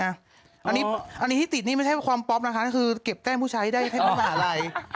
อันนี้ที่ติดนี่ไม่ใช่ความป๊อปนะคะนั่นคือเก็บแก้มผู้ชายให้ได้ไม่มาหล่าย